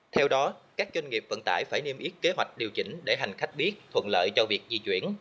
theo đó các doanh nghiệp vận tải phải niêm yết kế hoạch điều chỉnh để hành khách biết thuận lợi cho việc di chuyển